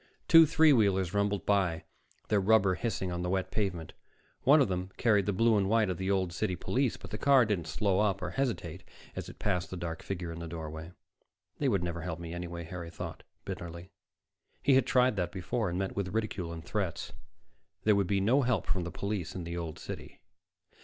Two three wheelers rumbled by, their rubber hissing on the wet pavement. One of them carried the blue and white of the Old City police, but the car didn't slow up or hesitate as it passed the dark figure in the doorway. They would never help me anyway, Harry thought bitterly. He had tried that before, and met with ridicule and threats. There would be no help from the police in the Old City.